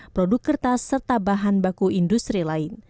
produk kertas serta bahan baku industri lain